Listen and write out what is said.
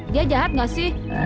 dia jahat gak sih